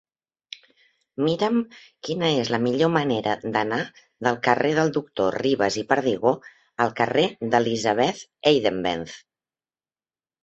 Mira'm quina és la millor manera d'anar del carrer del Doctor Ribas i Perdigó al carrer d'Elisabeth Eidenbenz.